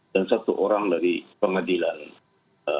dan satu orang dari pengadilan eee